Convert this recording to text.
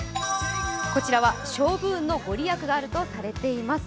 こちらは勝負運のご利益があるとされています。